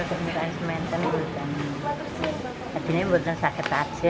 lepas itu menunggu